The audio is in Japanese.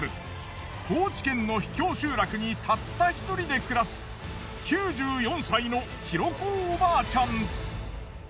高知県の秘境集落にたった一人で暮らす９４歳の大子おばあちゃん。